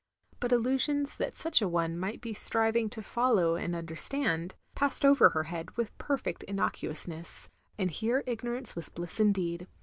But allusions that such a one might be striving to follow and understand — passed over her head with perfect innocuousness ; and here ignorance was bliss indeed.